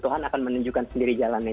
tuhan akan menunjukkan sendiri jalannya